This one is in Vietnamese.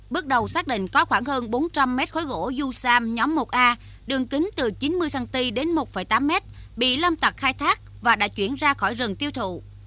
bước đầu xác định có khoảng hơn bốn trăm linh mét khối gỗ du sam nhóm một a đường kính từ chín mươi cm đến một tám mét bị lâm tặc khai thác và đã chuyển ra khỏi rừng tiêu thụ